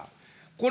これ